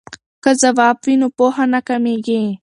که ځواب وي نو پوهه نه کمېږي.